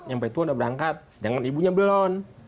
yang paling tua sudah berangkat sedangkan ibunya belum